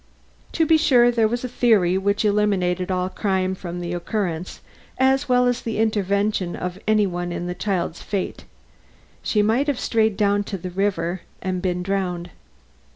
To be sure, there was a theory which eliminated all crime from the occurrence as well as the intervention of any one in the child's fate: she might have strayed down to the river and been drowned.